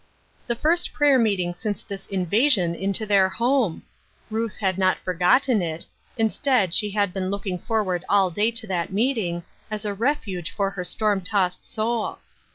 " The first prayer meeting since this invasion into their home I Ruth had not forgotten it ; instead, she had been looking forward all day to that meeting, as a refuge for her storm tossed soul.